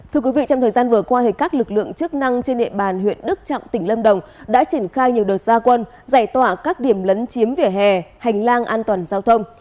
thưa quý vị trong thời gian vừa qua các lực lượng chức năng trên địa bàn huyện đức trọng tỉnh lâm đồng đã triển khai nhiều đợt gia quân giải tỏa các điểm lấn chiếm vỉa hè hành lang an toàn giao thông